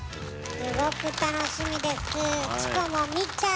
すごく楽しみです。